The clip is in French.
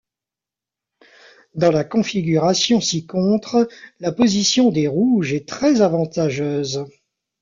Dans la configuration ci-contre, la position des rouges est très avantageuse.